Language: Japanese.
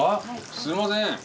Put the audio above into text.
すみません。